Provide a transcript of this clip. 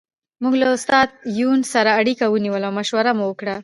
موږ له استاد یون سره اړیکه ونیوله او مشوره مو وکړه